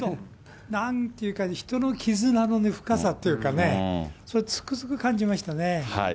なんていうか、人の絆の深さっていうかね、それ、つくづく感じましたね。